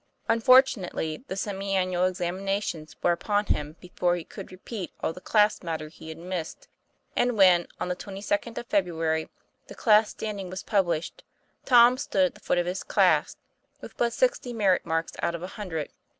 Unfortunately, the semi annual ex TOM PLAYFAIR. 197 animations were upon him before he could repeat all the class matter he had missed, and when, on the 22d of February, the class standing was published, Tom stood at the foot of his class, with but sixty merit marks out of a hundred.